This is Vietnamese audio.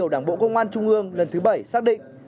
đảng bộ công an trung ương lần thứ bảy xác định